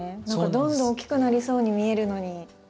どんどん大きくなりそうに見えるのに。